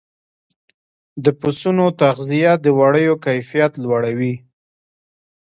د پسونو تغذیه د وړیو کیفیت لوړوي.